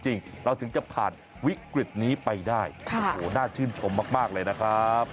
จริงเราถึงจะผ่านวิกฤตนี้ไปได้โอ้โหน่าชื่นชมมากเลยนะครับ